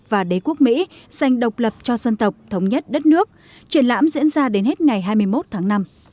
và đế quốc mỹ dành độc lập cho dân tộc thống nhất đất nước triển lãm diễn ra đến hết ngày hai mươi một tháng năm